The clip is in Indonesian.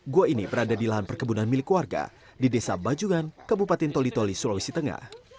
gua ini berada di lahan perkebunan milik warga di desa bajungan kabupaten toli toli sulawesi tengah